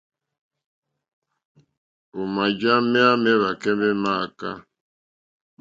Ò màjǎ méyá méwàkɛ́ mé mááká.